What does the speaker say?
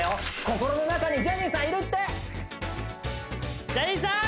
心の中にジャニーさんいるってジャニーさん！